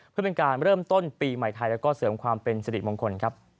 เพื่อเป็นการเริ่มต้นปีใหม่ไทยและเสริมความเป็นศิลป์มงคล